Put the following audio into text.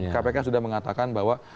kpk sudah mengatakan bahwa